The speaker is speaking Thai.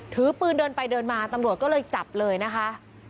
ถือปืนเดินไปเดินมาตำรวจก็เลยจับเลยนะคะ